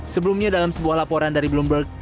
sebelumnya dalam sebuah laporan dari bloomberg